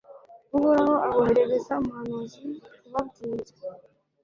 uhoraho aboherereza umuhanuzi kubabwira